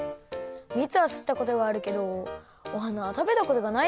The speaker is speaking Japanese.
みつはすったことがあるけどお花は食べたことがないです。